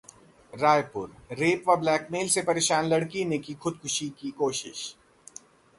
Raipur: rape व blackmail से परेशान लड़की ने की खुदकुशी की कोशिश